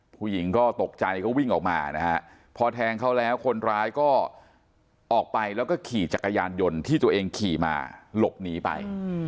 ผู้หญิงก็ตกใจก็วิ่งออกมานะฮะพอแทงเขาแล้วคนร้ายก็ออกไปแล้วก็ขี่จักรยานยนต์ที่ตัวเองขี่มาหลบหนีไป